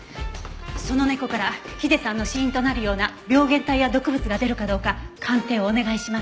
その猫からヒデさんの死因となるような病原体や毒物が出るかどうか鑑定をお願いします。